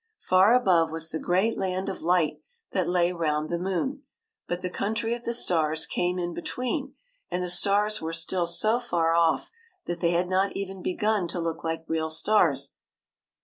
Far above was the great land of light that lay round the moon ; but the country of the stars came in between, and the stars were still so far off that they had not even begun to look like real stars.